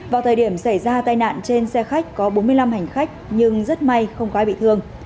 vào thời điểm xảy ra tai nạn trên xe khách có bốn mươi năm hành khách nhưng rất may không có ai bị thương